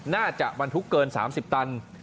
น่าจะบรรทุกเกิน๓๐ตัน